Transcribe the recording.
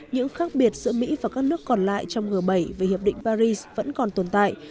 những khác biệt giữa mỹ và các nước còn lại trong g bảy về hiệp định paris vẫn còn tồn tại